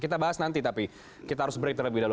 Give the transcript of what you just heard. kita bahas nanti tapi kita harus break terlebih dahulu